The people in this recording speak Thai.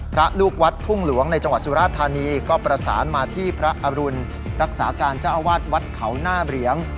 ลูกวัดทุ่งหลวงในจังหวัดสุราธานีก็ประสานมาที่พระอรุณรักษาการเจ้าอาวาสวัดเขาหน้าเหรียง